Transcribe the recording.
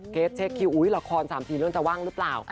เช็คคิวอุ๊ยละคร๓ทีเรื่องจะว่างหรือเปล่า